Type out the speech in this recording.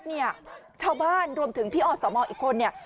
แรกเนี่ยเช้าบ้านรวมถึงพี่อ่อนสวมอลอีกคนเนี่ย